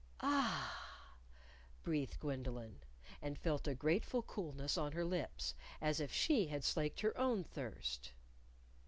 "Ah!" breathed Gwendolyn. And felt a grateful coolness on her lips, as if she had slaked her own thirst.